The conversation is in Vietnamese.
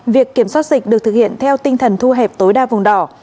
việc kiểm soát dịch được thực hiện theo tinh thần thu hẹp tối đa vùng đỏ